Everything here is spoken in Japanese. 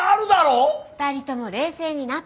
２人とも冷静になって！